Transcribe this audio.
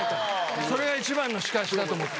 それが一番の仕返しだと思って。